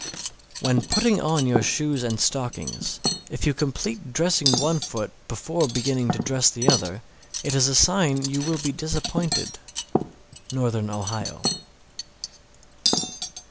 _ 630. When putting on your shoes and stockings, if you complete dressing one foot before beginning to dress the other, it is a sign you will be disappointed. _Northern Ohio.